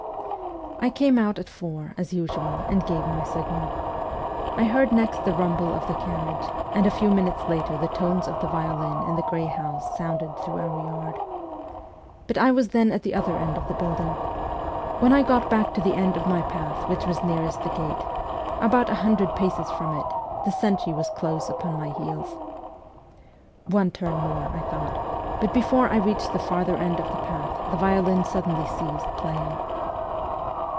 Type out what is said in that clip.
I came out at four, as usual, and gave my signal. I heard next the rumble of the carriage, and a few minutes later the tones of the violin in the grey house sounded through our yard. But I was then at the other end of the building. When I got back to the end of my path which was nearest the gate about a hundred paces from it the sentry was close upon my heels. ' One turn more,' I thought but before I reached the farther end of the path the violin suddenly ceased playing.